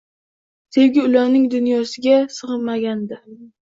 Sevgi ularning dunyosiga sig‘magandi